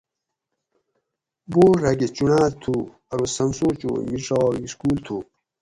بورڈ راۤکہۤ چونڑاۤل تھو ارو سمسو چو میڄاگ سکول تھو